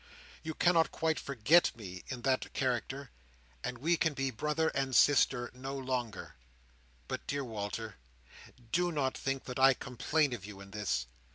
You cannot quite forget me in that character, and we can be brother and sister no longer. But, dear Walter, do not think that I complain of you in this.